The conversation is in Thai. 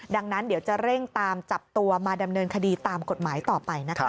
ดังนั้นเดี๋ยวจะเร่งตามจับตัวมาดำเนินคดีตามกฎหมายต่อไปนะคะ